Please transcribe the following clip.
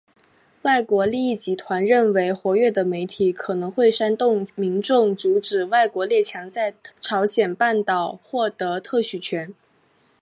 外国利益集团认为活跃的媒体可能会煽动民众阻止外国列强在朝鲜半岛获得特许权。